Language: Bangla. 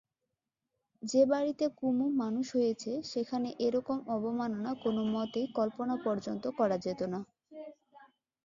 যে বাড়িতে কুমু মানুষ হয়েছে সেখানে এরকম অবমাননা কোনোমতেই কল্পনা পর্যন্ত করা যেত না।